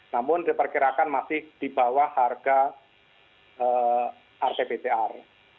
namun diperkirakan masih di bawah harga rt ptr